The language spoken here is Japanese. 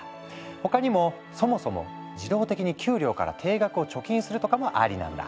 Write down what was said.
他にもそもそも自動的に給料から定額を貯金するとかもありなんだ。